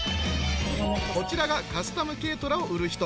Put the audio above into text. こちらがカスタム軽トラを売る人